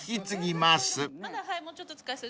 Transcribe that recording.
まだもうちょっと使えそう。